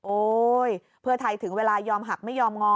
เพื่อไทยถึงเวลายอมหักไม่ยอมงอ